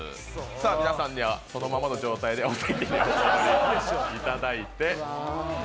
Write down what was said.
皆さんにはそのままの状態でお席にお戻りいただいて。